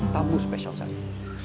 tamu spesial saya